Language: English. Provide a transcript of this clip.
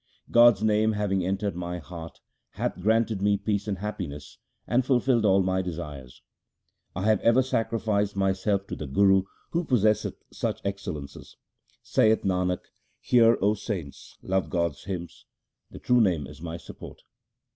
God's name having entered my heart hath granted me peace and happiness, and fulfilled all my desires. 1 have ever sacrificed myself to the Guru who possesseth such excellences. Saith Nanak, hear, O saints, love God's hymns : The true Name is my support.